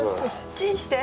チンして。